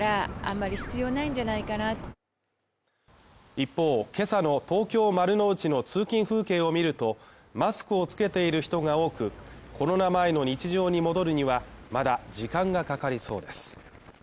一方、今朝の東京丸の内の通勤風景を見ると、マスクを着けている人が多く、コロナ前の日常に戻るにはまだ時間がかかりそうです。